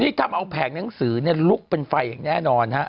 นี่ทำเอาแผงหนังสือเนี่ยลุกเป็นไฟแน่นอนฮะ